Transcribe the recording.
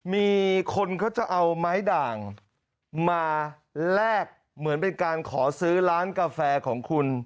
มีคนเขาจะเอาไม้ด่างมาแลกเหมือนเป็นการขอซื้อร้านกาแฟของคุณ